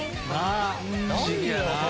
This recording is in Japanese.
不思議やな。